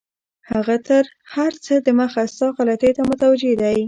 هغه تر هر څه دمخه ستا غلطیو ته متوجه دی.